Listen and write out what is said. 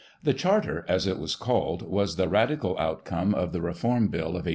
The " Charter," as it was called, was the Radical outcome of the Reform Bill of 1832.